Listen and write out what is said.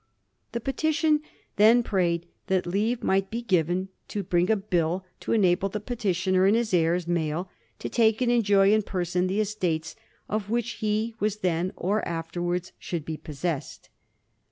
The petition then prayed that leave might be given to bring in a bill to enable the petitioner, and his hdrs male, to take and enjoy in person the estates of which he was then or afterwards should be possessed.